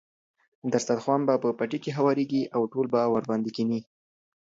دسترخوان به په پټي کې هوارېږي او ټول به ورباندې کېني.